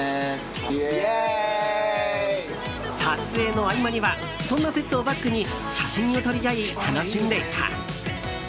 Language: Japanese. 撮影の合間にはそんなセットをバックに写真を撮り合い楽しんでいた。